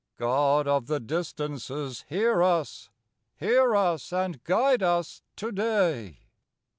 64 God of the Distances, hear us— Hear us and guide us today.